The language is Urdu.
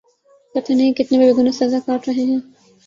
پتا نہیں کتنے بے گنا سزا کاٹ رہے ہیں